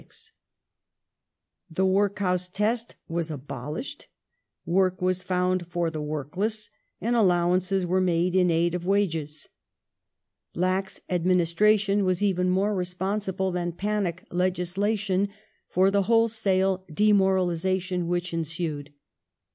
(1796). The " Workhouse test " was abolished, work was found for the workless, and allowances were made in aid of wages. Lax administration was even more responsible than panic legislation for the wholesale demoralization which ensued.